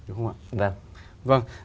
đúng không ạ vâng